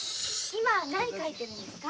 今何描いてるんですか？